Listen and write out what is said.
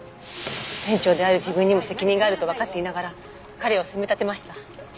店長である自分にも責任があるとわかっていながら彼を責め立てました。